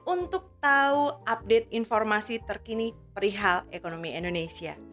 untuk tahu update informasi terkini perihal ekonomi indonesia